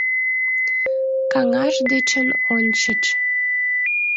КАҤАШ ДЕЧЫН ОНЧЫЧ